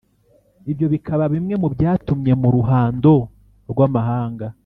Ibyo bikaba bimwe mu byatumye mu ruhando rw’amahanga